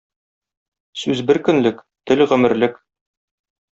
Сүз бер көнлек, тел гомерлек.